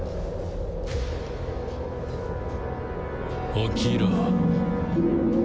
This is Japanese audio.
起きろ。